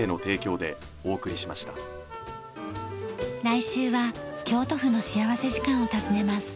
来週は京都府の幸福時間を訪ねます。